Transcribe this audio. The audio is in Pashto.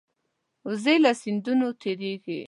وزې له سیندونو تېرېږي